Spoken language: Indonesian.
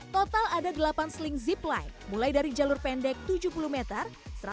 total ada delapan sling zipline mulai dari jalur pendek tujuh puluh meter satu ratus lima puluh meter dua ratus meter